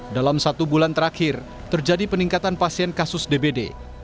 dalam satu bulan terakhir terjadi peningkatan pasien kasus dbd